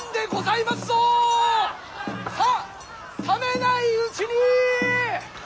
さあ冷めないうちに！